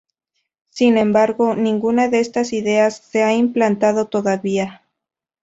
Sin embargo, ninguna de estas ideas se ha implantado todavía.